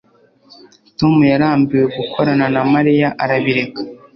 tom yarambiwe gukorana na mariya arabireka